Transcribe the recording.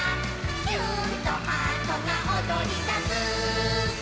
「キューンとハートがおどりだす」